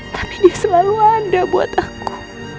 tapi dia selalu ada buat aku